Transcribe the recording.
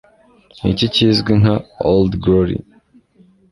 Niki kizwi nka Old Glory?